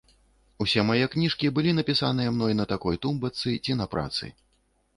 Усе мае кніжкі былі напісаныя мной на такой тумбачцы ці на працы.